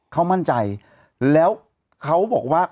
เขามั่นใจแล้วเขาบอกว่า